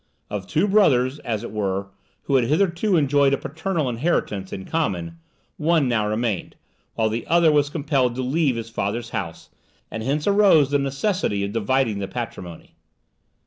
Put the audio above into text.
Of two brothers, as it were, who had hitherto enjoyed a paternal inheritance in common, one now remained, while the other was compelled to leave his father's house, and hence arose the necessity of dividing the patrimony.